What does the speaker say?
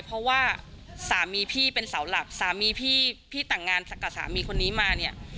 เพราะว่าสามีพี่เป็นเสาหลักสามีพี่แต่งงานกับสามีคนนี้มาเนี่ย